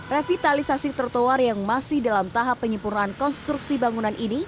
revitalisasi trotoar yang masih dalam tahap penyempurnaan konstruksi bangunan ini